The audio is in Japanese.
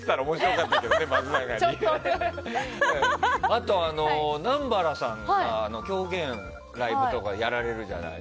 あと、南原さんが狂言のライブとかやられるじゃない。